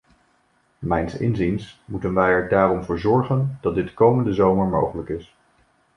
Mijns inziens moeten wij er daarom voor zorgen dat dit komende zomer mogelijk is.